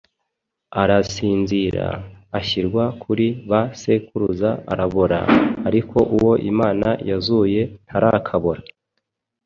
arasinzira, ashyirwa kuri ba sekuruza, arabora; ariko uwo Imana yazuye, ntarakabora.”